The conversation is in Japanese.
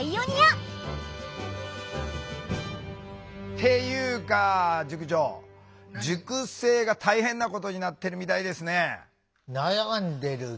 っていうか塾長塾生が大変なことになってるみたいですね。